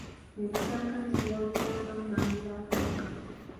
Ebisaakaate byabeerangamu baami ba Kabaka.